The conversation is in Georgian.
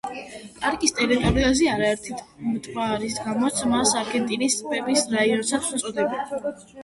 პარკის ტერიტორიაზე არაერთი ტბაა, რის გამოც მას არგენტინის ტბების რაიონსაც უწოდებენ.